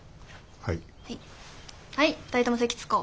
はい。